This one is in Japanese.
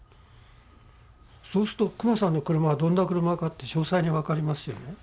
そうすると久間さんの車がどんな車かって詳細に分かりますよね。